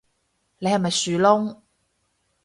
你係咪樹窿